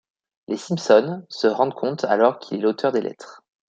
Les Simpson se rendent compte alors qu'il est l'auteur des lettres.